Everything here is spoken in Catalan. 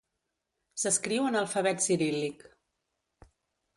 S'escriu en alfabet ciríl·lic.